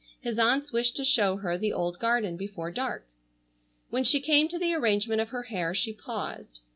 His aunts wished to show her the old garden before dark. When she came to the arrangement of her hair she paused.